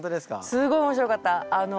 すごい面白かった！